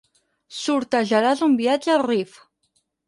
Sortejaràs un viatge al Rif.